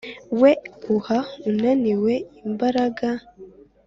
we uha unaniwe imbaraga